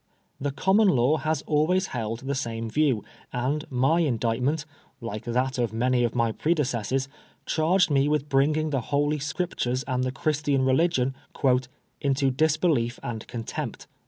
The Common Law has always held the same view, and my Indictment, like that of all my prede <^essors, chained me with bringing the Holy Scriptures and the Christian religion "into disbelief and con tempt."